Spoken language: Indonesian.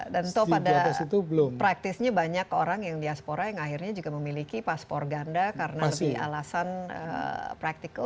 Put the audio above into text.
dan itu pada praktisnya banyak orang yang diaspora yang akhirnya juga memiliki paspor ganda karena alasan praktikal